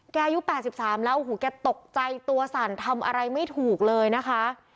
อายุ๘๓แล้วโอ้โหแกตกใจตัวสั่นทำอะไรไม่ถูกเลยนะคะ